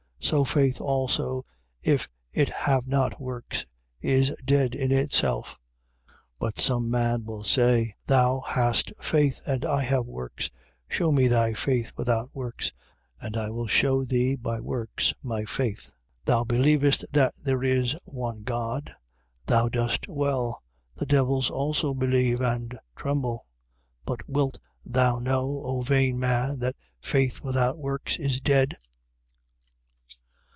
2:17. So faith also, if it have not works, is dead in itself. 2:18. But some man will say: Thou hast faith, and I have works. Shew me thy faith without works; and I will shew thee, by works, my faith. 2:19. Thou believest that there is one God. Thou dost well: the devils also believe and tremble. 2:20. But wilt thou know, O vain man, that faith without works is dead?